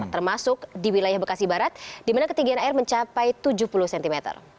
termasuk di wilayah bekasi barat di mana ketinggian air mencapai tujuh puluh cm